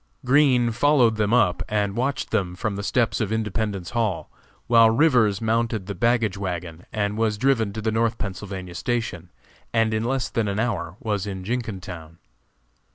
Green followed them up and watched them from the steps of Independence Hall, while Rivers mounted the baggage wagon and was driven to the North Pennsylvania station, and in less than an hour was in Jenkintown.